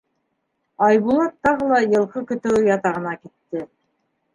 Айбулат тағы ла йылҡы көтөүе ятағына китте.